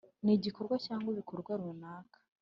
n igikorwa cyangwa ibikorwa runaka